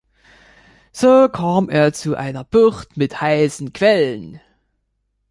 So kam er zu einer Bucht mit heißen Quellen.